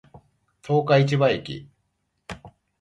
十日市場駅